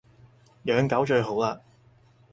養狗最好喇